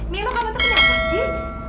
milo kamu tuh kenapa sih